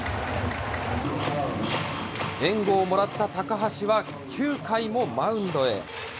援護をもらった高橋は、９回もマウンドへ。